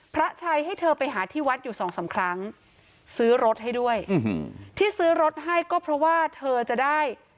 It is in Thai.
พระชัยให้เธอไปหาที่วัดอยู่สองสามครั้งซื้อรถให้ด้วยที่ซื้อรถให้ก็เพราะว่าเธอจะได้